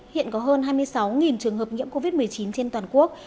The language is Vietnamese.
hiện có hơn hai mươi sáu trường hợp nhiễm covid một mươi chín trên toàn quốc